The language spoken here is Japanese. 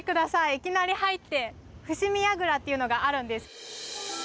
いきなり入って伏見櫓っていうのがあるんです。